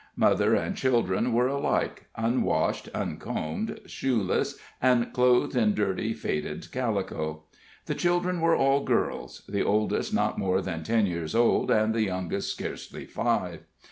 Mother and children were alike unwashed, uncombed, shoeless, and clothed in dirty, faded calico. The children were all girls the oldest not more than ten years old, and the youngest scarce five.